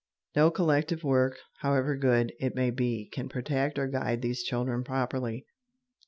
No collective work, however good it may be, can protect or guide these children properly.